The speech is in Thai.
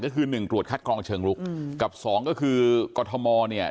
ก็คือหนึ่งตรวจคัดกรองเชิงลุกกับสองก็คือกรทมเนี่ย